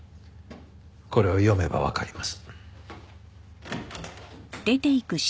これを読めばわかります。